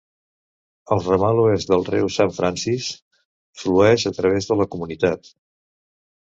El ramal oest del riu St. Francis flueix a través de la comunitat.